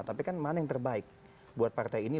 tapi kan mana yang terbaik buat partai ini